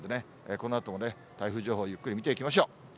このあともね、台風情報、ゆっくり見ていきましょう。